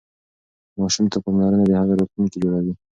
ماشوم ته پاملرنه د هغه راتلونکی جوړوي.